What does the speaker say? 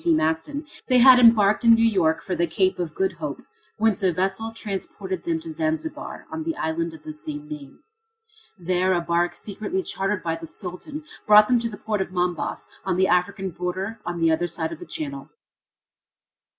T. Maston, they had embarked in New York for the Cape of Good Hope, whence a vessel transported them to Zanzibar, on the island of the same name. There a bark secretly chartered by the Sultan brought them to the port of Mombas, on the African border on the other side of the channel.